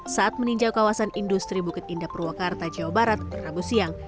saat meninjau kawasan industri bukit indah purwakarta jawa barat rabu siang